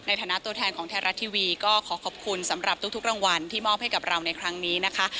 ในฐานะตัวแทนของไทยรัฐทีวีก็ขอขอบคุณสำหรับทุกรางวัลที่มอบให้กับเราในครั้งนี้นะคะ